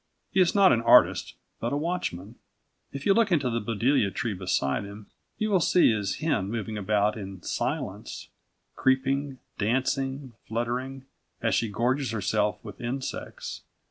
He is not an artist but a watchman. If you look into the buddleia tree beside him, you will see his hen moving about in silence, creeping, dancing, fluttering, as she gorges herself with insects.